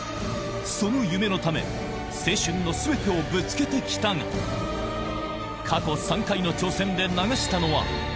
その夢のため青春の全てをぶつけてきたが過去３回の挑戦で流したのは悔し涙